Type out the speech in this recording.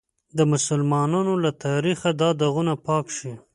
د مسلمانانو له تاریخه داغونه پاک شي.